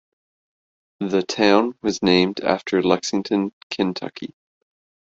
The town was named after Lexington, Kentucky.